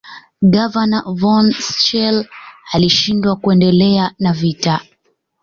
Gavana Von schelle alishindwa kuendelea na vita